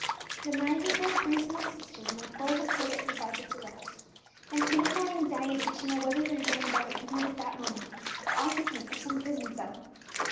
The minds of both Bruce and his sister were now full of the subject of Vibert's arrest, and painful anxiety to know whether their younger brother were not at that moment the occupant of some prison cell.